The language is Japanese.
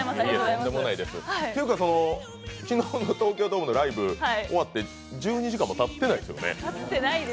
というか、昨日、東京ドームのライブ終わって１２時間もたってないですよね？